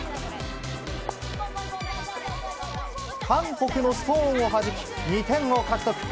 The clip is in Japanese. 韓国のストーンをはじき２点を獲得。